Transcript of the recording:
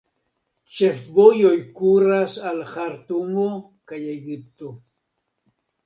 Ĉefvojoj kuras al Ĥartumo kaj Egipto.